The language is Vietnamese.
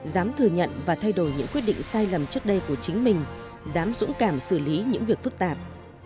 dám thừa nhận và thay đổi những quyết định sai lầm trước đây của chính mình dám dũng cảm xử lý những việc phức tạp